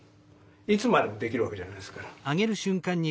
いつまでもできるわけじゃないですから。